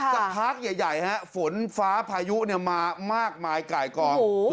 ค่ะสักพักใหญ่ฮะฝนฟ้าพายุเนี่ยมามากมายกายกองโอ้โห